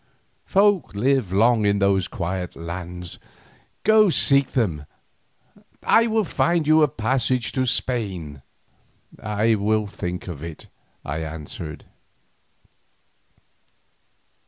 "Folk live long in those quiet lands. Go seek them, I will find you a passage to Spain." "I will think of it," I answered.